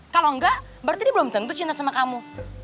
kalau enggak berarti dia belum tentu cinta sama kamu